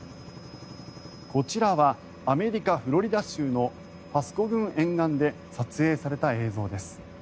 こちらはアメリカ・フロリダ州のパスコ群沿岸で撮影された映像です。